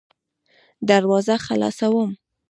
دروازه خلاصوم .